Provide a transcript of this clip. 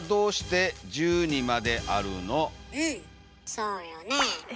そうよね。